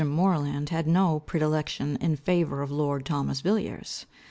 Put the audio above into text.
Moreland had no predilection in favour of lord Thomas Villiers.